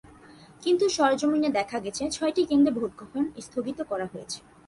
কিন্তু সরেজমিনে দেখা গেছে, ছয়টি কেন্দ্রে ভোট গ্রহণ স্থগিত করা হয়েছে।